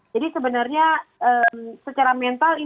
jadi sebenarnya secara mental